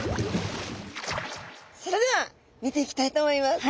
それでは見ていきたいと思います。